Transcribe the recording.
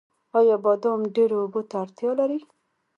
آیا بادام ډیرو اوبو ته اړتیا لري؟